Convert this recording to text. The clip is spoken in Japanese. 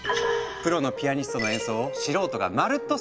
プロのピアニストの演奏を素人がまるっと再現。